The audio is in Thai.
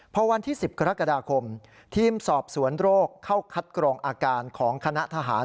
พอวันที่๑๐กรกฎาคมทีมสอบสวนโรคเข้าคัดกรองอาการของคณะทหาร